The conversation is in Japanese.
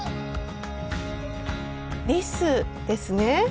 リスですね。